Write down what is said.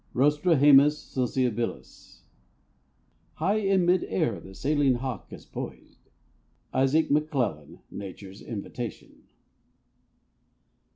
(Rostrhamus sociabilis.) High in mid air the sailing hawk is pois'd. —Isaac McLellan, "Nature's Invitation."